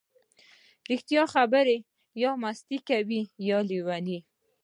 ـ رښتیا خبرې یا مست کوي یا لیوني.